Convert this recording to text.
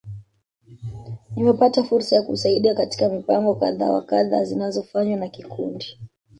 Nimepata fursa ya kusaidia katika mipango kadha wa kadha zinazofanywa na kikundi.